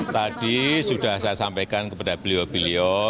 tadi sudah saya sampaikan kepada beliau beliau